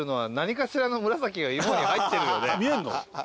見えんの？